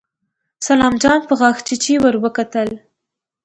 سلام جان په غاښچيچي ور وکتل.